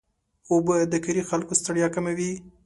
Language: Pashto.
اوبه د کاري خلکو ستړیا کموي.